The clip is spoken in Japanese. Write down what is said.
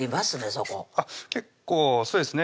そこ結構そうですね